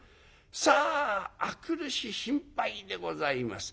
さあ明くる日心配でございます。